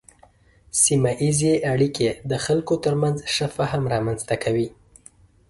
سیمه ایزې اړیکې د خلکو ترمنځ ښه فهم رامنځته کوي.